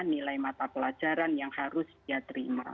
nilai mata pelajaran yang harus dia terima